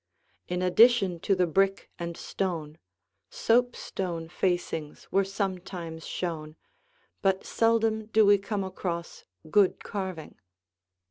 In addition to the brick and stone, soapstone facings were sometimes shown, but seldom do we come across good carving.